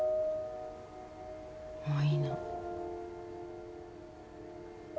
もういいの。